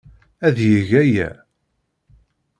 Ad yeg aya.